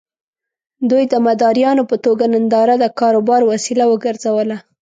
دوی د مداريانو په توګه ننداره د کاروبار وسيله وګرځوله.